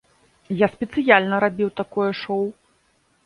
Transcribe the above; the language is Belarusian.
Я спецыяльна рабіў такое шоу.